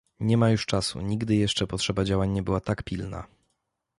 Nie ma już czasu, nigdy jeszcze potrzeba działań nie była tak pilna